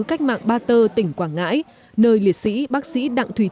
cách mạng ba tơ tỉnh quảng ngãi nơi liệt sĩ bác sĩ đặng thùy